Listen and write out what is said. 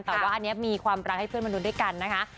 แต่ว่าอันนี้มีความรักให้เพื่อนมนุษย์ด้วยกันนะคะ